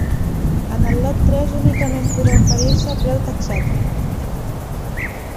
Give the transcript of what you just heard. En el lot tres únicament podrà oferir-se preu taxat.